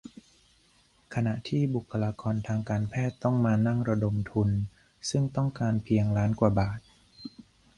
ขณะที่บุคลากรทางการแพทย์ต้องมานั่งระดมทุน ซึ่งต้องการเพียงล้านกว่าบาท :